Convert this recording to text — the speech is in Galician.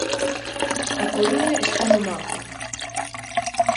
A Coruña está no mapa.